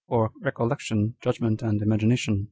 or recol lection, judgment, and imagination.